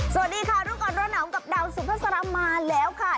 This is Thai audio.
สวัสดีค่ะรู้ก่อนร้อนหนาวกับดาวสุภาษามาแล้วค่ะ